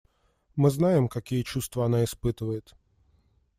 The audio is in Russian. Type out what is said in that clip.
Мы знаем, какие чувства она испытывает.